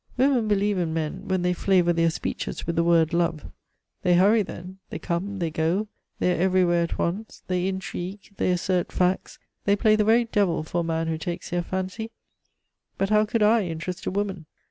Women believe in men when they flavor their speeches with the word Love. They hurry then, they come, they go, they are everywhere at once; they intrigue, they assert facts, they play the very devil for a man who takes their fancy. But how could I interest a woman?